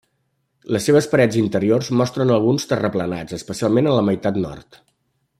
Les seves parets interiors mostren alguns terraplenats, especialment en la meitat nord.